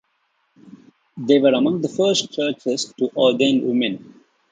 They were among the first churches to ordain women.